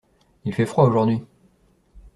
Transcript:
Il fait froid aujourd’hui.